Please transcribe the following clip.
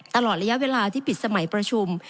ตลอดระยะเวลาที่ปิดสมัยประชุม